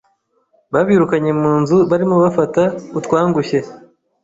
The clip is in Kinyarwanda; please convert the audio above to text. Babirukanye munzu barimo bafata utwangushye,